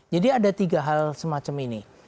jadi ada tiga hal semacam ini